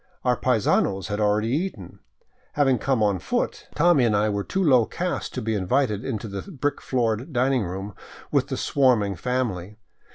Our " paisanos " had already eaten. Having copie on foot, Tommy and I were too low caste to be invited into the brick floored dining room with the swarming family.